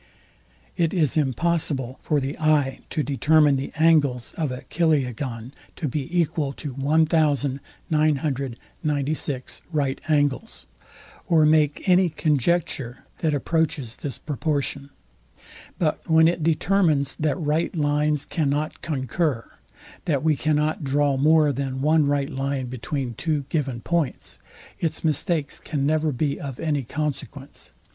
It is impossible for the eye to determine the angles of a chiliagon to be equal to 1996 right angles, or make any conjecture, that approaches this proportion; but when it determines, that right lines cannot concur; that we cannot draw more than one right line between two given points; it's mistakes can never be of any consequence.